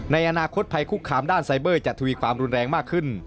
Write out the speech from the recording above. ในอนาคตภัยคุกคามด้านไซเบอร์จะทวีความรุนแรงมากขึ้น